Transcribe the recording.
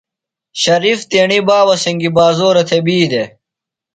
شریف تیݨیۡ بابہ سنگیۡ بازورہ تھےۡ بی دےۡ۔